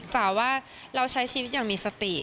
กล่าวว่าเราใช้ชีวิตอย่างมีสติ